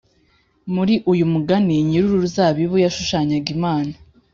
muri uyu mugani nyir’uruzabibu yashushanyaga imana